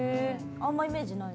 あんまイメージない。